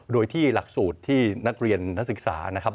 โดยที่หลักสูตรที่นักเรียนนักศึกษานะครับ